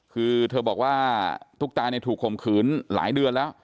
คือเธอบอกว่าตุ๊กตาเนี่ยถูกข่มขืนหลายเดือนแล้ว